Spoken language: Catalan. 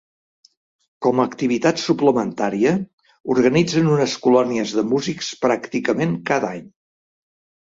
Com a activitat suplementària, organitzen unes colònies de músics pràcticament cada any.